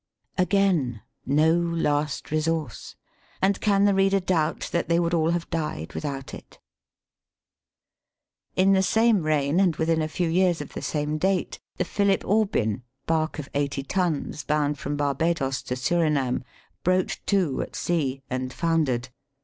Again no last resource, and can the reader doubt that they would all have died without it ? In the same reign, and within a few years of the same date, the Philip Aubin, bark of eighty tons, bound from Barbadoes to Surinam, broached to at sea, and foundered.